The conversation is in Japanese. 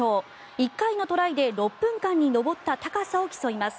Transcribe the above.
１回のトライで６分間に登った高さを競います。